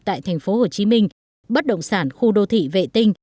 tại tp hcm bất động sản khu đô thị vệ tinh